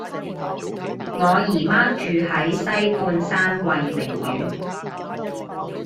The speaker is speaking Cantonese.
我姨媽住喺西半山慧明苑